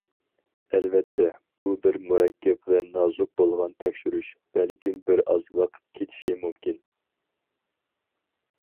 ئەلۋەتتە، بۇ بىر مۇرەككەپ ۋە نازۇك بولغان تەكشۈرۈش، بەلكىم بىر ئاز ۋاقىت كېتىشى مۇمكىن.